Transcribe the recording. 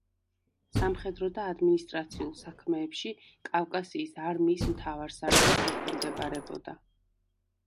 სამხედრო და ადმინისტრაციულ საქმეებში კავკასიის არმიის მთავარსარდალს ექვემდებარებოდა.